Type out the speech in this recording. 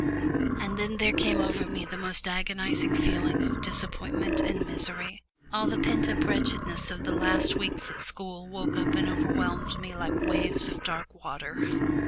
And then there came over me the most agonising feeling of disappointment and misery. All the pent up wretchedness of the last weeks at school woke up and overwhelmed me like waves of dark water.